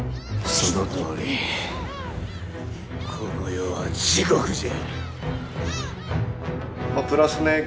そのとおりこの世は地獄じゃ！